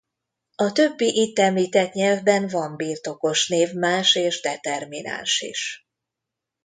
A többi itt említett nyelvben van birtokos névmás és determináns is.